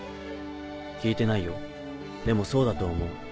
聞いてないよでもそうだと思う。